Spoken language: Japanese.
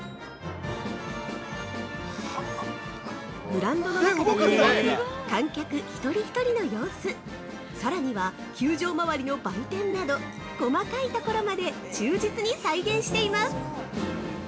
◆グランドの中だけでなく観客一人一人の様子さらには、球場周りの売店など細かいところまで忠実に再現しています。